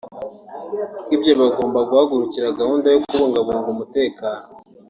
kubwibyo bagomba kuhagurukira gahunda yo kubungabunga umutekano